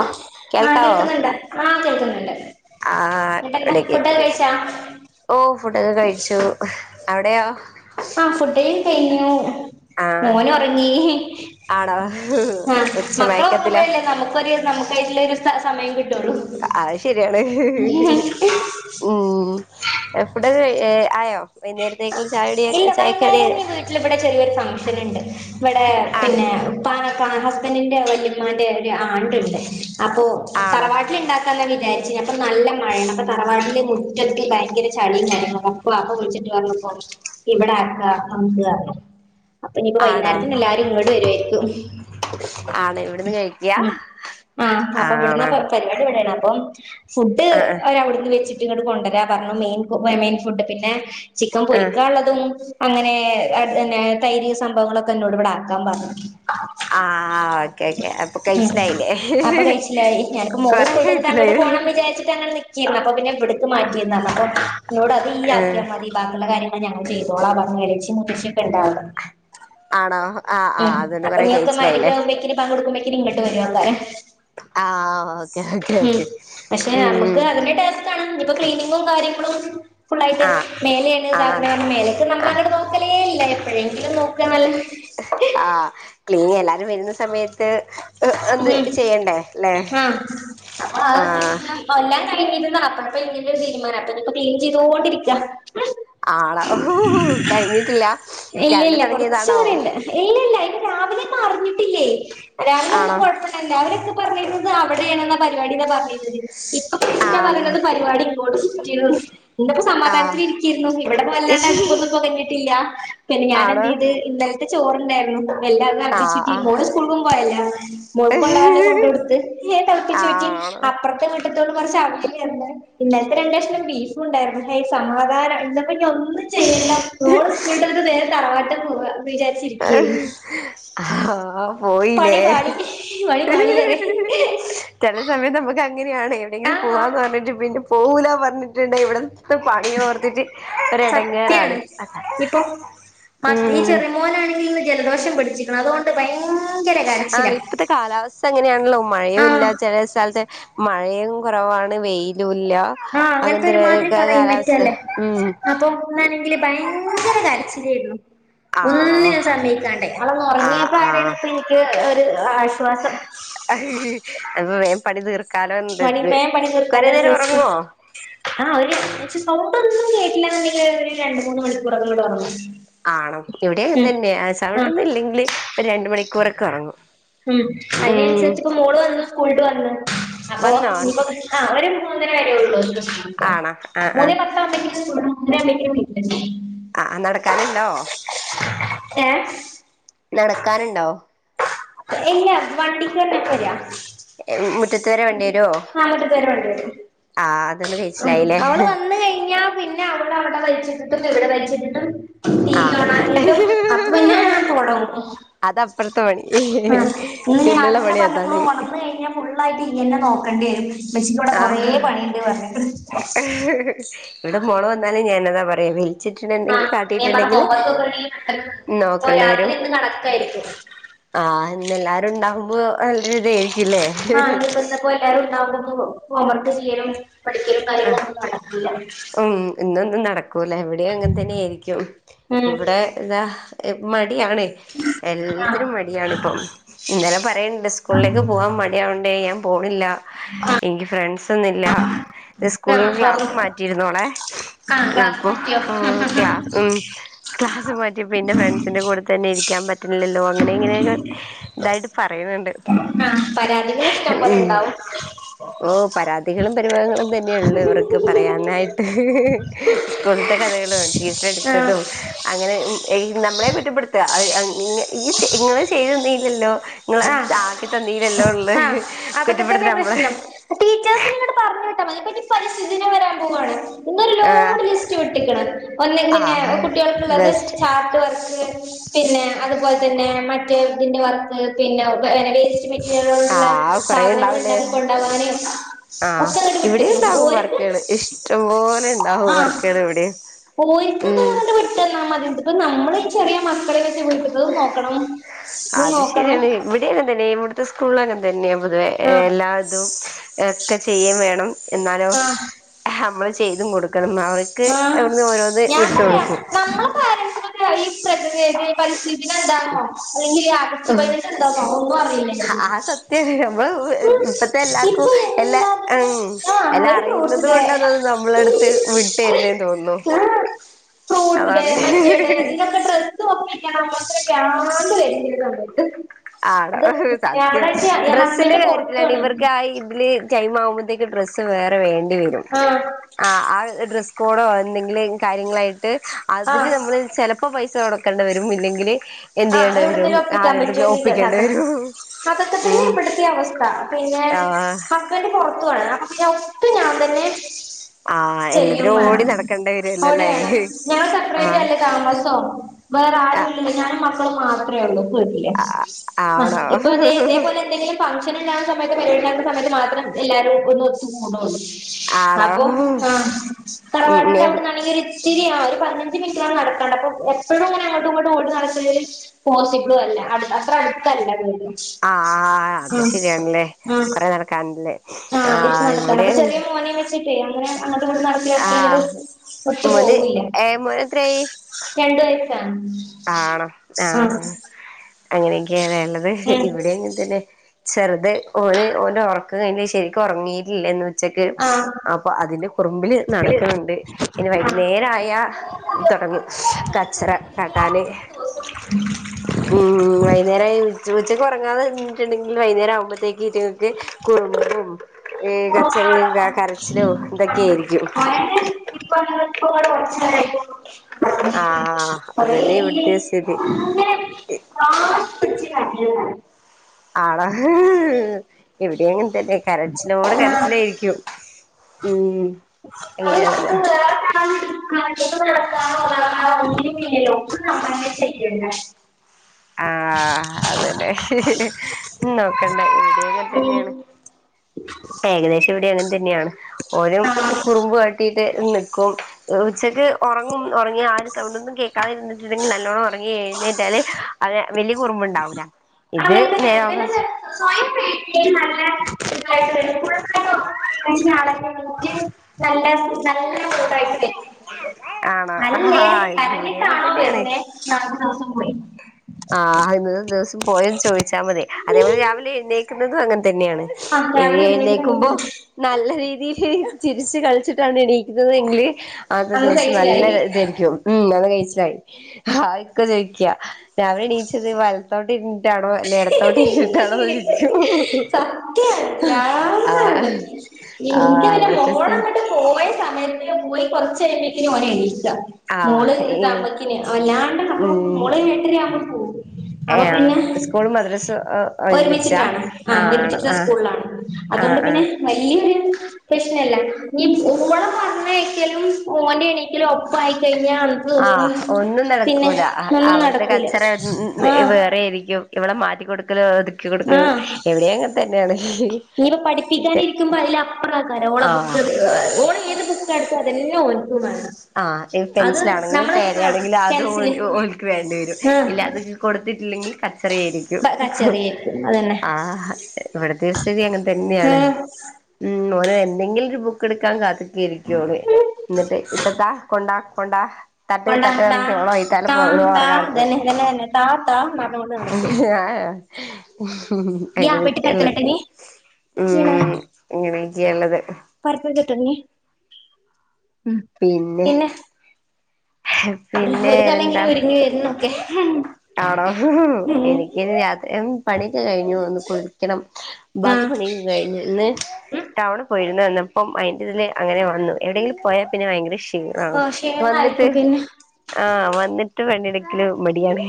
ആഹ് ആഹ് കേൾക്കുന്നുണ്ട് ആഹ് കേൾക്കുന്നുണ്ട് എന്നിട്ടന്താ ഫുഡൊക്കെ കഴിച്ചാ ഓഹ് ഫുടൊക്കെ കഴിച്ചു അവിടെയാ ആഹ് ഫുഡടി കഴിഞ്ഞു ആഹ് മോന് ഉറങ്ങി ആണോ ആഹ് ഉച്ച മക്കൾ മയക്കത്തില ഓർങ്ങുമ്പോഴല്ലേ നമുക്കൊരു നമുക്കായിട്ടുള്ള സമയം കിട്ടു അത് ശരിയാണ് ഉം എവിടെ ആയോ വൈകുന്നേരത്തേക്കുള്ള ചായകുടി ഇല്ല ചായക്കടി വൈന്നേരം നീ വീട്ടിലിവിടെ ചെറിയൊരു ഫംഗ്ഷൻ ഉണ്ട് ഇവിടെ ആണോ പിന്നെ പ്പാനൊ ഹസ്ബൻഡിന്റെ വല്ലയ്മാന്റെ ഒരു ആണ്ടുണ്ട് അപ്പോ ആണോ തറവാട്ടിൽ ഉണ്ടാക്കി വിചാരിച്ച അപ്പൊ നല്ല മഴയ അപ്പൊ തറവാട്ടിലെ മു ൽ ഭയങ്കര ചളിയും കാര്യങ്ങളും അപ്പോ വാപ്പ വിളിച്ചിട്ട് പറഞ്ഞു ഇവടെ ആക്ക [unintelligible] ഇല്ല്യാ അപ്പൊ ഇനിപ്പോ ആണോ വൈന്നേരത്തിന് എല്ലാരും ഇങ്ങാട് വെര് ആരിക്കും ആണോ ഇവിടുന്ന് കഴിക്കാ ഉം ആഹ് അപ്പൊ ഇവടാന്ന് ആണോ പരിപാടി ഇവടെയാണ് അപ്പം ഫുഡ് ആഹ് അവര് അവട്ന്ന് വെച്ച് ട്ട് ഇങ്ങട് കൊണ്ട് വെര്യേ മെ മെയിൻ ഫുഡ് പിന്നെ ചിക്കൻ ആഹ് പൊരിക്ക്യാനോ തും അങ്ങനെ അന്നെ തൈര് സംഭവങ്ങളൊക്കെ എന്നോട് ഇവടെ ആക്കാൻ പറഞ്ഞു ആഹ് ആഹ് ഓക്കേ ഓക്കെ അപ്പൊ ഉം കയിച്ചിലായില്ലേ അപ്പൊ കഴിച്ചില്ലായി ഞാനിപ്പോ മോള് കൊറേ സ്കൂളിട്ട് വന്നിട്ട് അങ്ങോട്ട് കയിച്ചില്ലായി പോണം [unintelligible] അപ്പൊ പിന്നെ ഇവട്ക്ക് മാറ്റിര്ന്ന നമ്മക്ക് എന്നോട് അത് ഈ ആഹ് ആക്കിയ മതി ബാക്കിയൊള്ള കാര്യങ്ങള് ഞങ്ങള് ചെയ്തേളാം പറഞ്ഞ് [unintelligible] ഇണ്ടാ [unintelligible] ആണോ ആഹ് ഉം ആഹ് അതുകൊണ്ട് അപ്പൊ കൊറെ നിങ്ങൊക്ക് കഴിച്ചിലായില്ലേ [unintelligible] ഇങ്ങട്ട് വെരുവാക്കാരം ആഹ് ഓക്കേ ഓക്കേ ഓക്കേ ഉം [unintelligible] ഇപ്പം ക്ലീനിങ്ങും കാര്യങ്ങളും ഫുള്ളായിട്ട് ആഹ് മേലോണ് ആഹ് കാരണം മേലക്കെ നമ്മളെ ആഹ് അങ്ങടെ നോക്കലേ ഇല്ല എപ്പോഴെങ്കിലും നോക്കാലും ആഹ് ക്ലീൻ എല്ലാരും വെര്ന്നാ സമയ ത്ത് ഒന്ന് ഉം ചെയ്യണ്ടേ അല്ലേ ആഹ് അപ്പൊ ആ ആഹ് തീരുമാനം എല്ലാം കയിഞ്ഞ് [unintelligible] തീരുമാനം അപ്പൊ ക്ലീൻ ചെയ്തോണ്ടിരിക്ക്യ ആണോ ഓഹ് കയീഞ്ഞിട്ടില്ലാ രാവിലെ തൊടങ്ങിയതാണോ ഇല്ലില്ല ഇത് രാവിലെ ഒന്നും അറിഞ്ഞിട്ടില്ലേ ആണോ എല്ലാവരൊക്കെ പറഞ്ഞിര്ന്നത് അവടെയാണേന്നാ പരിപാടി എന്നി പറഞ്ഞിരിന്നാത് ഇപ്പേ വിളിച്ചിട്ടാ ആണ് പറയ്ന്നത് പരിപാടി ഇങ്ങട്ട് [unintelligible] ഇന്ന് ഇപ്പോ ആഹ് സമാധാനത്തില് ഇരിക്ക്യാരുന്നു ഇവടെ വല്ലാണ്ട് അട്പ്പൊന്നും പൊകഞ്ഞിട്ടില്ല പിന്നെ ഞാൻ ആണോ എന്ത്യ്ത് ഇന്നൽ- ഇനക്ക് ചോറ് ഇണ്ടാരുന്നു എല്ലാം [unintelligible] ആഹ് മോൾ സ്കു [unintelligible] പോയല്ലോ മോൾക്ക് ആഹ് കൊണ്ട് പോകാൻ ഉള്ളത് കൊണ്ട് കൊടുത്ത് ഏഹ് തിളപ്പിച്ച് ഊറ്റി ആണോ അപ്പുറത്തെ [unintelligible] ഇന്നലാത്തെ രണ്ട് കഷണം ബീഫും ഉണ്ടാരുന്നു യെ സമാധാനം [unintelligible] ഇപ്പം ഇഞ്ഞ് ന്ന് ഒന്നും ചെയ്യണ്ട മോൾ സ്കൂൾ വിട്ട് വന്നാൽ നേരെ തറവാട്ടി പോവാ വിചാരിച്ച് ഇരിക്ക്യാന്ന് ആഹ് പോയില്ലേ പാളി പണി പാളി പറയ ചെല സമയം നമ്മക്ക് അങ്ങനെയാണ് എവടെയെങ്കിലും ആഹ് ആഹ് പോവാന്ന് പറഞ്ഞിട്ട് പിന്നെ പോവുലാ പറഞ്ഞാട്ട് ഇണ്ടേ ഇവട ത്തെ പണി ഓർത്തിട്ട് ഒര് എടങ്ങേറോണ് സത്യാണ് ഇപ്പൊ മ ഈ ചെറി മോനാണെങ്കി ഇന്ന് ജലദോഷം പിടിച്ചിക്കണ് അതോണ്ട് ഭയ ആഹ് ഇപ്പത്തെ കാലാവസ്ഥ അങ്ങനെയാണല്ലോ മഴെ ആഹ് ഇല്ലാ ചെല സ്ഥലത്തെ മഴയും കൊറവാണ് വെയിലും ഇല്ല ആഹ് അങ്ങനാത്തെ അങ്ങനത്തെ ഒര്മാതിരി കാലാവസ്ഥ ക്ലമറ്റാല്ലേ ഉം അപ്പൊ ഇന്നാണെങ്കിലും ഭയങ്കര കരച്ചിലാരുന്നു ആണോ സമയിക്കാണ്ടെ അവൾ ഒന്ന് ആ ഒറങ്ങിയപ്പോ ആ ആണ് ഇപ്പോ എനിക്ക് ഒര് ആശ്വാസം അപ്പം വേഗം പണി തീർക്കാലോ എന്തത് കൊറേ നേരം ഒറങ്ങോ ആഹ് ഒര് സൗണ്ട് ഒന്നും കേട്ടില്ല എന്നു ണ്ടെങ്കില് ഒര് രണ്ട്, മൂന്ന് മണിക്കൂർ അങ്ങാട് ഒറങ്ങും ആണോ ഇവടെ അത് തന്നേ ആ സൗണ്ട് ഒന്നും ഇല്ല്യേങ്കില് ഒര് രണ്ട് മണിക്കൂറോക്കെ ഒറങ്ങും ഉം സ്കൂൾ വിട്ട് വന്ന് അപ്പൊ വന്നോ ആഹ് ഒര് മൂന്നരാ വെരേ ഒള്ളൂ സ്കൂൾ ആണോ ആ ആ മുന്നേ പത്ത് ആകുമ്പോഴേക്കും സ്കൂൾ വിടും മൂന്ന് അര ആകുമ്പോത്തേകും വീട്ടിൽ എത്തും ആഹ് നടകാനുണ്ടോ ഏഹ് നടക്കാന് ഇണ്ടോ ഇല്ലാ വണ്ടിക്ക് തന്നെ വര മുറ്റത്ത് വരെ ആ വീട്ട് ക്ക് വരെ വണ്ടി വരും ആഹ് അതാണ് വെ ഉം അവൾ വന്ന് കയിഞ്ഞാ പിന്നെ അവൾ അവടെ വലിച്ചിട്ടിട്ടും ഇവടെ വലിച്ചിട്ടിട്ടും ടി വി ആഹ് ഓണാക്കിയിട്ടും അപ്പൊ പിന്നെ ഞാൻ പണി [unintelligible] ആഹ് ഇന്ന് പിന്നുള്ള യാത്ര പണി പർഞപ്പം അതാണ് ഒൺന്ന് കഴ്ഞ്ഞാ ഫുള്ളായിട്ട് ഇയ്യന്നെ നോക്കണ്ടി വരും ഇമ്മച്ചിക്ക് വടെ കൊറേ പണിണ്ട് പറഞ്ഞിക്ക്ണ് ഇവടെ മോൾ വെന്നാലും ഞാനതാ പറയൽ ആ ച്ചിറ്റ്നെന്തെങ്കി പിന്നെ ഞാൻ പറഞ്ഞ കാട്ടിട്ട്ണ്ടെങ്കിൽ ഹോംവർക്ക് ഒക്കെ ഉണ്ടെങ്കിൽ പെട്ടെന്ന് തീർത്തോ ഇപ്പൊ ന്നോക്കണ്ട രാത്രി വെരും ഇന്ന് കണക്കായിരിക്കും ആഹ് അതന്നെ എല്ലാരും ഇണ്ടാഉമ്പോ നല്ല ഒരു ഇതായ്രിക്കും ലേ ആഹ് ഇഞ്പ്പ ഇന്ന് എല്ലാവരും ഉണ്ടാവുമ്പോ ഹോം വർക്ക് ചെയ്യലും പഠിക്കലും കാര്യങ്ങളൊന്നും ന്നടക്കൂല മ് ഇന്നൊന്നും ന്നടക്കൂല ഇവിടെയും അങ്ങൻ തന്നെ ആയിരിക്കും ഉം ഇവ്ടേ ദാ ഇപ്പം മടിയാണ് ആ എല്ലത്തിനും മടിയാണ് ഇപ്പം ഇന്നലെ പറയ്ണ്ട് സ്കൂൾലേക്ക് പോവാം മടി മടിയാവ്ണ്ടേ ഞാൻ പോണില്ല ആഹ് ഇൻക്ക് ഫ്രൻസൊന്നുംല്ല ന്നെ ആ സ്കൂൾ ക്ലാസ് തുറന്ന് മാറ്റ് റ്റീരുന്നോളെ ആഹ് ക്ലാസ് അപ്പോ മാറ്റിയോ ക്ലാസ് ഉം ക്ലാസ് മാറ്റ്യെപ്പം ഇൻ്റെ ഫ്രൻസിന്റെ കൂടെ തന്നെ ഇരിക്കാം പ റ്റ്ണ്ല്ലല്ലോ അങ്ങനെ ഇങ്ങനെയൊക്കെ തായ്ട്ട് പറയ്ണ്‌ണ്ട് ആഹ് പരാതികൾ ഇഷ്ടം പോലെ ഇണ്ടാവും ഓഹ് പരാതികളും പരിപവങ്ങളും തന്നെയൊള്ളൂ ഇവർക്ക് പ റയാനായ്ട്ട് സ്കൂൾത്തെ കഥകെളും ടീച്ചെറ് ആഹ് അടിച്ചെതും അങ്ങനെ ഉം ഏയ് നമ്മളെ കുറ്റപ്പെട്ത്താ അത് അ ഇ ഇയ്യ് ചെ ഇങ്ങെള് ചെയ്തെന്നീല്ലല്ലോ ഇങ്ങെള് ആഹ് താക്കി തന്നീലല്ലോ ള്ളെ ആഹ് അതൊക്കെ കുറ്റപ്പെട്ത്തലാ അമ്മളേ പർഞ്ഞേട്ടാ മതി പ്പെനി പരിസ്തി ദിനം വെരാം പോവാണ് ഇന്നൊര് ആഹ് ലോഡ് ലിസ്റ്റ് വിട്ട്ക്ക്ണ് ഒന്നിൽ പിന്നേ ആഹ് കുട്ടികൾക്കുള്ളത് ബെസ്റ്റ് ചാ ട്ട് വർക്ക് പിന്നേ അതുപോൽ തന്നേ മറ്റേ തിന്റെ വർക്ക് പിന്നെ വേ വേസ്റ്റ് മെറ്റീരിയലോടുള്ളെ ആഹ് കൊറേ ഉണ്ടാവൂലേ സാധനങ്ങള്ണ്ടാക്കി കൊണ്ടവാന് ആഹ് ഇവിടീംണ്ടാവും വർക്ക്കെള് ഇഷ്ടം പോലെണ്ടാവും വർക്ക്കെള് ഇവിടീം ഓര്ക്കത്ങ്ങട്ട് വിട് ട്ടെന്നാ മതി ഇപ്പം നമ്മളീ ചെറിയ മക്കളിം വെച്ച് വീട്ട്ത്തതും നോക്കണം തും നാേക്കണം ഇവിടിം അങ്ങൻതന്നെ ഇവിട്ത്തെ സ്കൂൾലും അങ്ങൻതന്നെ പൊതുവേ ആഹ് എല്ലാതും എ ക്കെ ചെയ്യും വേണം എന്നാലോ ആഹ് അമ്മെള് ചെയ്തും കൊട് ക്കണം ന്നാ അവര്ക്ക് ആഹ് അവ്ട്ന്ന് ഓരോന്ന് വിട്ട് കൊട്ക്കും ഇതാ തീ പ്രകൃതി തന്നേ പരിസ്തിദിനന്താന്നോ അല്ലെങ്കി ഈ ആഗസ്റ്റ് പയ്നഞ്ചെന്താന്നോ ഒന്നും അറീലേയ്ര്ന്നു അത് സത്യാണ് അമ്മള് ഇപ്പത്തെ എല്ലാർക്കും ഇപ്പൊ എല്ലാ എന്താ ഉം ആ എല്ലാ ഒരു ഫ്രൂട്ട്സ് അറിയ്ന്നത് ഡേ കൊണ്ടതൊ നമ്മളെട്ത്ത് വിട്ടേര്ന്നേന്ന് തോന്ന്ന്നു ഫ്രൂട്സ് ഡേ മറ്റേ ഡേ ഇതിനൊക്കെ ഡ്ര സ്സാെപ്പിയ്ക്കണം ഓർത്ത്ട്ട് ബ്രാന്ത് വെര്ണ്ട് ഈ സമയെത്ത് ആടോ സത്യം ഡ്രസ്സിന്റെ ഹസ്ബൻഡ് കാര്യത്തിലാണ് പുറത്തുവാണേ ഇവെർക്ക് ആ ഇതില് റ്റൈമാവുമ്പത്തേക്ക് ഡ്രസ്സ് വേറെ വേണ്ടി വെരും ആ ആഹ് ആ ഡ്രസ്സ് കോഡോ എന്തെങ്കിലും കാര്യങ്ങളായ്ട്ട് ആ അതിന് നമ്മെള് ചെല പ്പം പൈസ കൊടക്കണ്ടെ വെരും ഇല്ലെങ്കില് എന്തെയ്യേണ്ടെ വെരും ആരെട്ത്തെങ്കിലു [unintelligible] അതൊക്ക തന്നേ ബ്ട്ത്തേം അവസ്ഥ പിന്നേ ആഹ് പ്പം സ്ബന്റ് പൊറത്തു ആണ് അപ്പ പിന്നെ ഒട്ടും ഞാൻ തന്നെ ആഹ് ചെയ്യും എല്ലാത്തിനും ഓടി വേണം നടക്കേണ്ടി വരുവല്ലോ ഓടി അല്ലേ വേണം ഞാൻ ആഹ് സപ്പ്റേറ്റല്ലെ താമസം വേറെ ആരുംല്ലല്ലോ ഞാനും മ ക്കളും മാത്രേ ഒള്ളൂ വീട്ട്ല് ആഹ് അഹ് ആണോ ഇപ്പതേ ഇതേ പോലെ എന്തെങ്കിലും ഫംഗ്ഷന്ണ്ടാവ്ന്ന സമയത്ത് പെര്ന്നാൾൻ്റെ സമയത്ത് മാത്രം എല്ലാരും ഒന്ന് ഒത്ത് കൂടൊള്ളൂ ആണോ അപ്പം ആഹ് ഉം തറവാട്ട്ൻ്റെ എവിടെ അവ്ട്ന്നാണെങ്കില് ഇ ച്ചിരി ആഹ് ഒര് പതിനഞ്ച് മിൻറ്റോളം നടക്കാണ്ട് അപ്പം എപ്പഴുംങ്ങെനെ അങ്ങട്ടും ഇങ്ങെട്ടും ഓടി നടക്കല് [unintelligible] പോസിബ്ളും അല്ല അത് അത്ര അട്ത്തല്ലാ വീട് ആഹ് അത് ആ ശെരിയാണ്ല്ലേ ആ കൊറേ നടക്കാന്ണ്ട്ലേ ആഹ് അത്യാവശം നടക്കാണ്ട് അപ്പം ചെറിയ മോനേം വെച്ച്ട്ടെ അങ്ങെനെ അങ്ങട്ടും ഇങ്ങെട്ടും നട അത്രങ്ങട്ട് ആഹ് ഒത്തു മോന് പോവൂ ല്ല ഏ മോന് എത്രയായി രണ്ട് വയസ്സാ ആണോ ആഹ് ആഹ് അങ്ങെനെയൊക്ക്യാലേ ള്ളെത് ഉം ഇവെടേം ഇങ്ങൻതന്നെ ചെർത് ഓന് ഓൻ്റെ ഒർക്ക് കയ്ഞ്ഞ് ശരിക്ക് ഒറങ്ങീട്ടില്ലെന്ന് ഉച്ചക്ക് അപ്പൊ അതിന്റെ കുറുമ്പില് നടക്ക്ണ്‌ണ്ട് ഇനി വൈക്ന്നേരായാ തൊടങ്ങും കച്ചറ കാട്ടാന് ഉം വൈക്ന്നേരായ ഉച് ഉച്ചെക്ക് ഒറങ്ങാതെ നിന്ന്ട്ട്ണ്ടെങ്കില് വൈക്ന്നേരാവ്മ്പത്തേക്ക് ഈറ്റെ കുറുമ്പും ഏ കച്ചറിം ആഹ് ആഹ് കരച്ചിലും ഇതൊക്കെ ആയിരിക്കും മോനെ ആഹ് അതന്നെ ഇവിടുത്തെ [unintelligible] സ്ഥിതി [unintelligible] [unintelligible] ആണോ ഇവടെഅങ്ങനതന്നെ കരച്ചിലോട് ആഹ് കരച്ചിലായിരിക്കും ഉം അങ്ങനെയുള്ളതാ [unintelligible] ഇൻക്ക് നടക്കാപോകാ ഒഴിവില്ലല്ലോ ഒക്കെ നമ്മളന്നെ ചെയ്യണ്ടെ ആഹ് അതന്നെ നോക്കണ്ട ഇൻ്റോം അങ്ങനെ തന്നെയാണ് ഏകദേശം ഇവടേം അങ്ങനെ തന്നെയാണ് ഓനും കുറുമ്പ് കാട്ടിട്ട് നിക്കും ഉച്ചക്ക് ഒറങ്ങും ഒറങ്ങിയാ ആരിം സൗണ്ടൊന്നും കേൾക്കാതിരിട്ടുണ്ടെങ്കി നല്ലോണ്ണം ഒറങ്ങി എഴുന്നേറ്റാല് അതേ വലിയ കുറുമ്പുണ്ടാവൂല ഇത് അങ്ങനത്തെ നേരെ പിന്നെ ഓപ്പോസിറ്റ് സ്വയം വീട്ടിൽ നല്ല ഇതായിട്ട് വരും ഫുള്ളായിട്ട് ഇപടെ പതിനഞ്ച്ന് ആളെഒക്കെ കൂട്ടീട്ട് നല്ല നല്ല കൂട്ടായിട്ട് വരും ആണോ ആഹ് നല്ലേ ഇത് ഇവിടേം അങ്ങനെ കരഞ്ഞിട്ടാണോ തന്നെയാണ് വരുന്നേ ഇന്നാ അന്നത്തെ ദിവസം പോയി ആഹ് അന്നത്തെ ദിവസം പോയോന്ന് ചോയിച്ചാമതി അതേപോലെ രാവിലെ എഴുനേ ക്കുന്നതും അങ്ങനെ തന്നെയാണ് ആ രാവിലെ എഴുന്നേക്കുമ്പോ എഴുന്നേറ്റ് നല്ല രീതിയില് ചിരിച്ച് കളിച്ചിട്ടാണ് എണീക്കുന്നത് എങ്കില് അന്നത്തെ അന്ന് ദിവസം നല്ല കഴിച്ചില്ലായി ഇതെ ഇതായ്ക്കും ഉം അന്ന് കഴീച്ചിലായി അതാ ഇക്ക ചോയിക്ക രാവിലെ എണീച്ചത് വ വൽത്തോട്ടിരിഞ്ഞിട്ടാണോ അല്ല ഇടത്തോട്ട് തിരിഞ്ഞിട്ടാണോയിക്കും സത്യാണ് ആഹ് ആഹ് എനിക്കങ്ങനെ അവിടുത്തെ സ്ഥിതി മോളങ്ങട്ട് പോയ സമയത്ത് പോയി കൊറച്ച് കഴിഞ്ഞേയ്ക്കിന് ഓനെണീക്കാ മോള് ആഹ് ഈ ഇതാമ്മക്കിന് വല്ലാണ്ടെ അപ്പം ഉം മോള് എട്ടരയാകുമ്പക്ക് പോകും ഏഹ് ആഹ് സ്കൂളും മദ്രസും ഒരുമിച്ചാ ഒരുമിച്ചിട്ടാണ് ആഹ് ആണോ ഒരുമിച്ചിട്ടുള്ള ആഹ് സ്കൂളിലാണ് ആഹ് അതോണ്ട് ആഹ് പിന്നെ വല്ല്യൊര് പ്രശ്നല്ല ഇനി ഓളെ പറഞ്ഞയക്കലും ഓന്റെ എണീക്കലും ഒപ്പായിക്കഴിഞ്ഞാ ആഹ് ഒന്നും നടക്കൂല ആ ഒന്നും ആഅവിട്ത്തെ നടക്കൂല കച്ചറ ആഹ് വേറേയിരിക്കും ഇവിടെ മാറ്റി കൊടുക്കലും ഒതുക്കി കൊടുക്കലും ഇവടേം അങ്ങനെ തന്നെയാണ് ഇനിപ്പ പഠിപിക്കാനിരിക്കുമ്പ അയില് അപ്പറാക്കാരം ഓളെ ബുക്ക് ആഹ് ഓള് ഏത് ബുക്ക് എടുക്കാ അതന്നെ ഓൻക്കും വേണം ആഹ് അത് പെൻസിലാണെങ്കിലും നമ്മള് പേന ആ ആണെങ്കിലും അത് പെൻസില് ഓൽക്ക് വേണ്ടി വരും ഇല്ല അത് ആ കൊടുത്തിട്ടില്ലെങ്കി കച്ചറയായിരിക്കും കച്ചറിയായിരിക്കും അതന്നെ ആഹ് ഇവട്തെ സ്ഥിതി അങ്ങനെ തന്നെയാണ് ഉം ഓന് എന്തെങ്കിലും ഒരു ബുക്ക് എടുക്കാൻ കാത്ത് ക്കേയിരിക്കും ഓന് ഉം ഇന്നട്ട് ഇത്തത്താ കൊണ്ടാ കൊണ്ടാ തട്ട് കൊണ്ടാ താ തട്ട്റഞ്ഞിട്ട് ഓളെ വഴിത്താലെ താ താ പോറകെനടക്കും ഇതന്നെ ഇതന്നെ തന്നെ താ താ പറഞ്ഞോണ്ട് നടക്കും ഏഹ് ഇയ്യ് ആ വെട്ടി അങ്ങനെക്കെള്ളത് പരക്കലട്ട നീ ചെയ്യണ ഉം ഇങ്ങനെയൊക്കേ ഇള്ളത് [unintelligible] ഉം പിന്നെ പിന്നെ ഒരു തലഇങ്ങനെ വേറെന്താ ഒരുങ്ങി വരുന്നൊക്കെ ഉം ആണോ എനിക്ക് രാത്രിയാവുമ്പോ പണിയൊക്കെ കഴിഞ്ഞു ഒന്ന് കുളിക്കണം ആ ബാക്കി പണി കഴിഞ്ഞോ ഇന്ന് ടൗണ് പോയിരുന്നു വന്നപ്പം അതിന്റെ ഇതിൽ അങ്ങനെ വന്നു എവിടെയെങ്കിലും പോയാൽ പിന്നെ ഭയങ്കര ക്ഷീ ആഹ് ഓ വന്നിട്ട് ക്ഷീണായിരിക്കും പിന്നെ ആഹ് വന്നിട്ട് പണിട്ക്കില് മടിയാണ്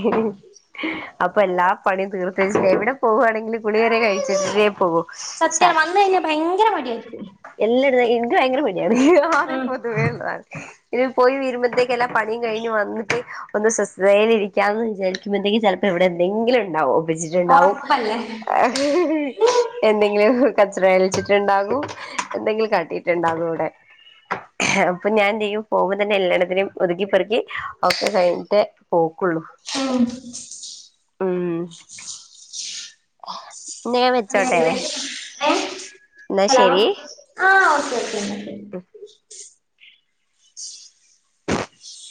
അപ്പൊ എല്ലാ പണിയും തീർത്തേച്ച് എവിടെ പോവുവാണെങ്കിലും കുളികരെ കഴിച്ചിട്ടേ പോകൂ സത്യം സാര വന്ന് കഴിഞ്ഞാൽ ഭയങ്കര മടിയായിരിക്കും എല്ലായിടത്തും എനിക്ക് ഭയങ്കര മടിയാണ് അത് ഉം പൊതുവേള്ളതാണ് ഇനി പോയി വരുമ്പോഴത്തേക്ക് എല്ലാ പണിയും കഴിഞ്ഞ് വന്നിട്ട് ഒന്ന് സ്വസ്ഥതയില് ഇരിക്കാന്ന് വിചാരിക്കുമ്പോ എന്തെങ്കിൽ ചിലപ്പോ ഇവിടെ എന്തെങ്കിലും ഉണ്ടാവും വെച്ചിട്ടിണ്ടാവും ഒറപ്പല്ലേ എന്തെങ്കിലും കച്ചറ കലിച്ചിട്ടുണ്ടാകും എന്തെങ്കിലും കാട്ടിട്ടുണ്ടാകും ഇവിടെ അപ്പൊ ഞാൻ എന്ത് ചെയ്യും പോകുമ്പോ തന്നെ എല്ലാടത്തിനും ഒതുക്കി പെറുക്കി ഒക്കെ കഴിഞ്ഞിട്ട് പോക്കുള്ളൂ ഉം ഉം എന്നാ ഞാൻ വെച്ചോട്ടെ ഏ എന്നാ ഹലോ ശരി ആ ഓക്കെ ഓക്കേ [inaudible]